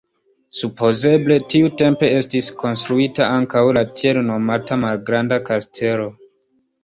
Supozeble tiutempe estis konstruita ankaŭ la tiel nomata malgranda kastelo.